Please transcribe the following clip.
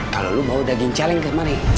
kalau lu bawa daging caling kemari